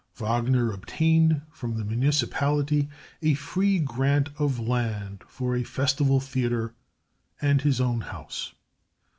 Wagner obtained from the municipality a free grant of land for a festival theater and his own house.